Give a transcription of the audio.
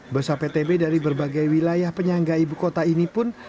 bus aptb dari berbagai wilayah penyangga ibu kota ini pun